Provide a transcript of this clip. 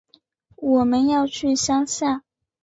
我们要去乡下